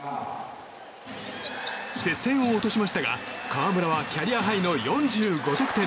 接戦を落としましたが河村はキャリアハイの４５得点。